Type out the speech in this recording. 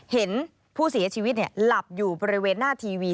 เห็นผู้เสียชีวิตหลับอยู่บริเวณหน้าทีวี